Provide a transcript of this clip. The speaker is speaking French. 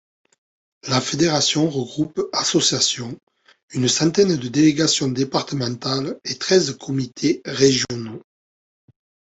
La fédération regroupe associations, une centaine de délégations départementales et treize comités régionaux.